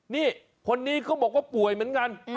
นี่คนนี้เขาบอกว่าป่วยเหมือนกัน